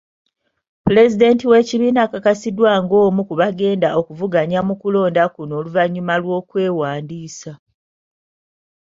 Pulezidenti w'ekibiina akakasiddwa nga omu ku bagenda okuvuganya mu kulonda kuno oluvannyuma lw'okwewandiisa.